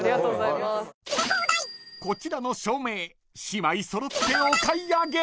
［こちらの照明姉妹揃ってお買い上げ］